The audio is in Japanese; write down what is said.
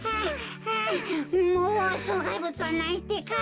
もうしょうがいぶつはないってか。